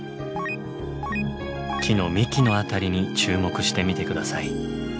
木の幹の辺りに注目してみて下さい。